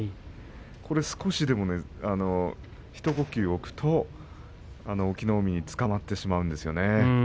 少しでも、一呼吸おくと隠岐の海につかまってしまうんですね。